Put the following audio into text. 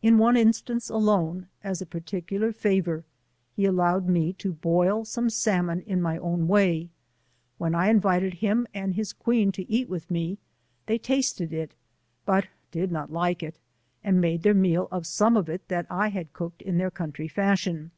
In one instance alone, as a particular favour, he allowed me to boil some salmon in ray own way, when I invited him and his queen to eat with me; they tasted it, but did not like it, and made their meal of some of it that I had cooked in their country fashion.